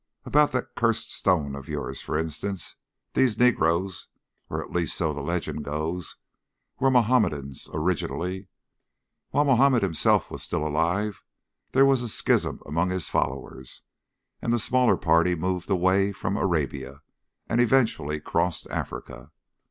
About that cursed stone of yours, for instance. These negroes, or at least so the legend goes, were Mahometans originally. While Mahomet himself was still alive, there was a schism among his followers, and the smaller party moved away from Arabia, and eventually crossed Africa.